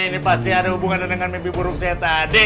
ini pasti ada hubungannya dengan mimpi buruk saya tadi